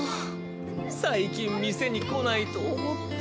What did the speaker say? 最近店に来ないと思ったら。